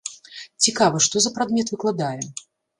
Цікава, што за прадмет выкладае?